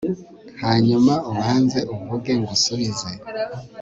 hanyuma ubanze uvuge ngusubize